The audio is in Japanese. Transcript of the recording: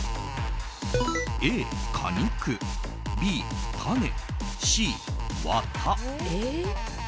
Ａ、果肉Ｂ、種Ｃ、ワタ。